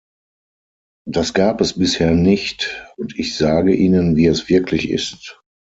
Das gab es bisher nicht, und ich sage Ihnen, wie es wirklich ist.